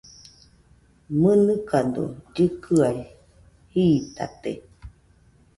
¿Mɨnɨkado llɨkɨaɨ jitate?